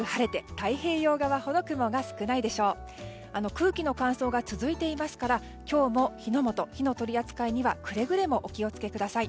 空気の乾燥が続いていますから今日も火の元、火の取り扱いにはくれぐれもお気を付けください。